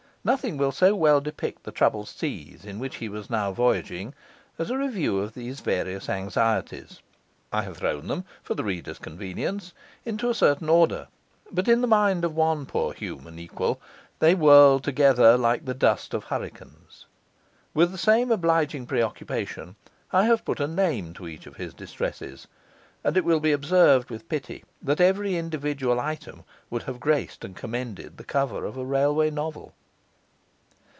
Nothing will so well depict the troubled seas in which he was now voyaging as a review of these various anxieties. I have thrown them (for the reader's convenience) into a certain order; but in the mind of one poor human equal they whirled together like the dust of hurricanes. With the same obliging preoccupation, I have put a name to each of his distresses; and it will be observed with pity that every individual item would have graced and commended the cover of a railway novel.